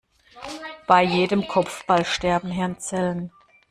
Bei jedem Kopfball sterben Hirnzellen.